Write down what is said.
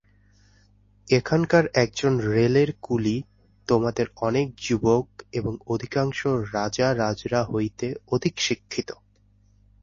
এখানকার একজন রেলের কুলি তোমাদের অনেক যুবক এবং অধিকাংশ রাজা-রাজড়া হইতে অধিক শিক্ষিত।